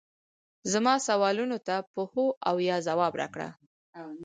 زما سوالونو ته په هو او یا ځواب راکړه